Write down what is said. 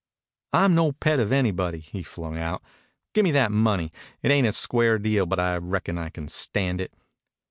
"I'm no pet of anybody," he flung out. "Gimme that money. It ain't a square deal, but I reckon I can stand it."